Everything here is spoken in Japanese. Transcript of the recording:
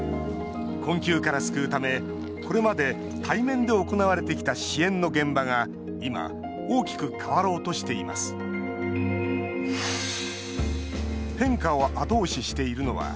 困窮から救うためこれまで対面で行われてきた支援の現場が今、大きく変わろうとしています。